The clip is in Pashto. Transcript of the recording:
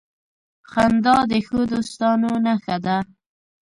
• خندا د ښو دوستانو نښه ده.